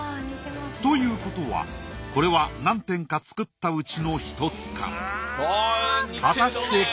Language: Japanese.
ということはこれは何点か作ったうちの１つか？